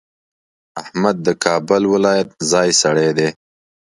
احمد د کابل ولایت ځای سړی دی.